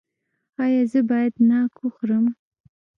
ایا زه باید ناک وخورم؟